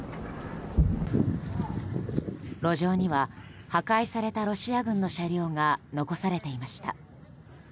路上には破壊されたロシア軍の車両が残されていました。